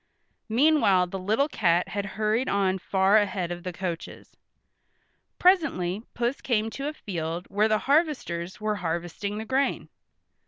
Meanwhile the little cat had hurried on far ahead of the coaches. Presently Puss came to a field where the harvesters were harvesting the grain.